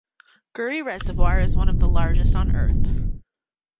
Guri Reservoir is one of the largest on earth.